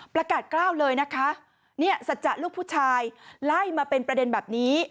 ประกาศกล้าวเลยนะคะสัจจะลูกผู้ชายไล่มาเป็นประเด็นแบบนี้